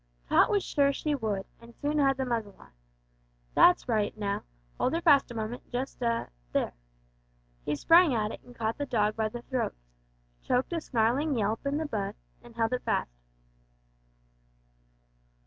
Tot was sure she would, and soon had the muzzle on. "That's right; now, hold 'er fast a moment just a there !" He sprang at and caught the dog by the throat, choked a snarling yelp in the bud, and held it fast.